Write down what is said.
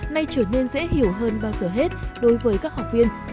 nay trở nên dễ hiểu hơn bao giờ hết đối với các học viên